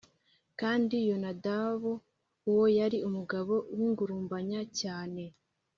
kandi Yonadabu uwo yari umugabo w’ingurumbanya cyane.